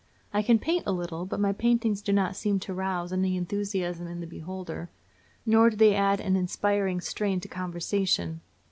I can paint a little, but my paintings do not seem to rouse any enthusiasm in the beholder, nor do they add an inspiring strain to conversation.